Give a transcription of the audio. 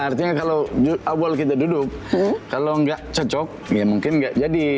artinya kalau awal kita duduk kalau nggak cocok ya mungkin nggak jadi